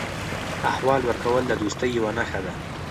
احوال ورکول د دوستۍ یوه نښه ده.